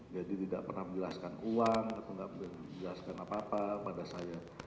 jadi tidak pernah menjelaskan uang atau enggak menjelaskan apa apa kepada saya